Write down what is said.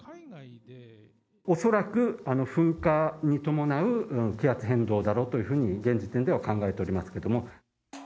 恐らく噴火に伴う気圧変動だろうというふうに、現時点では考えておりますけれども。